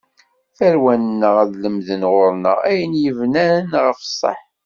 Tarwa-nneɣ ad lemden ɣur-neɣ, ayen yebnan ɣef ṣṣaḥ.